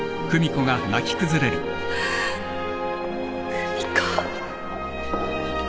久美子。